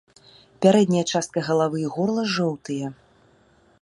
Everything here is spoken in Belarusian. Пярэдняя частка галавы і горла жоўтыя.